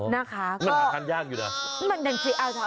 นะคะมันหาทานยากอยู่นะ